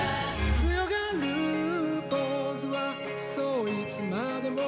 「強がるポーズはそういつまでも」